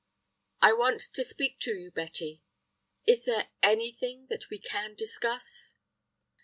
"I want to speak to you, Betty." "Is there anything that we can discuss?"